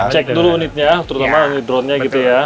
cek dulu unitnya terutama dronenya gitu ya